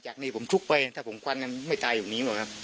จากนี้ผมชุกไปถ้าผมควันไม่ตายอยู่นี่หรอกครับ